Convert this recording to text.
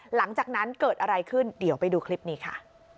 หลังจากนั้นเกิดอะไรขึ้นเดี๋ยวไปดูคลิปนี้ค่ะ